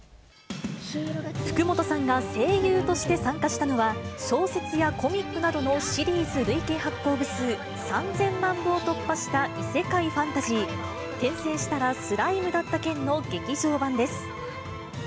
福本さんが声優として参加したのは、小説やコミックなどのシリーズ累計発行部数３０００万部を突破した異世界ファンタジー、転生したらスライムだった件の劇場版です。